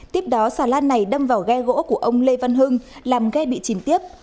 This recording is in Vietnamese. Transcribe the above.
tiếp đó xà lan này đâm vào ghe gỗ của ông lê văn hưng làm ghe bị chìm tiếp